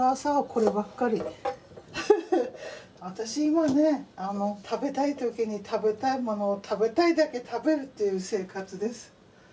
私今ね食べたい時に食べたいものを食べたいだけ食べるっていう生活です。